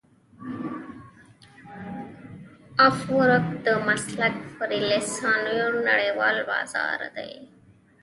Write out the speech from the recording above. افورک د مسلکي فریلانسرانو نړیوال بازار دی.